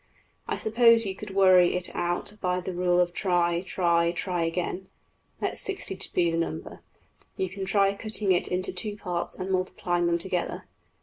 I suppose you could worry it out by the rule of try, try, try again. Let $60$ be the number. You can try cutting it into two parts, and multiplying them together.